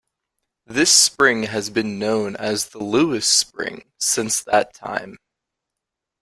This spring has been known as the Lewis Spring since that time.